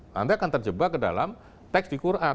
nanti akan terjebak ke dalam teks di quran